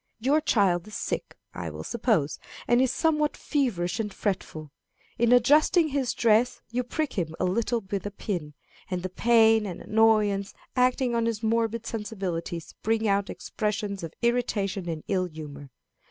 Your child is sick, I will suppose, and is somewhat feverish and fretful. In adjusting his dress you prick him a little with a pin, and the pain and annoyance acting on his morbid sensibilities bring out expressions of irritation and ill humor.